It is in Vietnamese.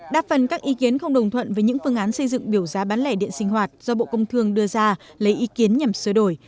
đa phần các ý kiến không đồng thuận với những phương án xây dựng biểu giá bán lẻ điện sinh hoạt do bộ công thương đưa ra lấy ý kiến nhằm sửa đổi